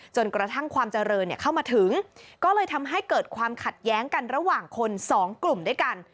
จนกระทั่งความเจริญเข้ามาถึงก็เลยทำให้เกิดความขัดแย้งกันระหว่างคนสองกลุ่มด้วยกัน